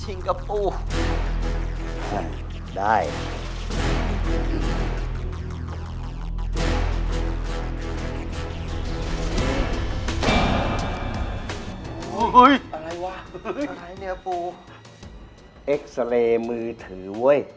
เฮ้ยอะไรวะอะไรเนี้ยปูเอ็กซเรย์มือถือเว้ย